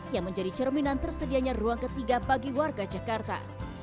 yang menjadi cerminan tersedianya ruang ketiga bagi warga jakarta